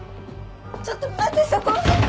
ちょっと待ってそこは！